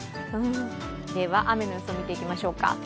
では、雨の予想を見ていきましょうか。